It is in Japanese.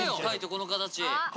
この形。